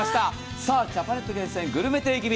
さあジャパネット厳選グルメ定期便。